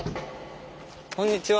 こんにちは。